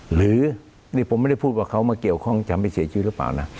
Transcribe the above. หรือนี่ผมไม่ได้พูดว่าเขามาเกี่ยวข้องจะไม่เสียชีวิตหรือเปล่านะ